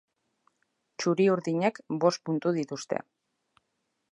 Txuri-urdinek bost puntu dituzte.